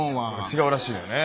違うらしいんやね。